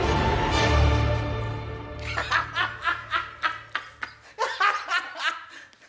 ハハハハハハこわ！